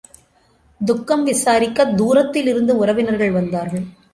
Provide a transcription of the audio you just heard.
துக்கம் விசாரிக்கத் தூரத்தில் இருந்து உறவினர்கள் வந்தார்கள்.